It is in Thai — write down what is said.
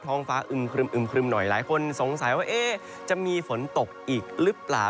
ฟ้าอึมครึมครึมหน่อยหลายคนสงสัยว่าจะมีฝนตกอีกหรือเปล่า